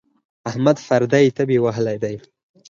احمد پردۍ تبې وهلی دی.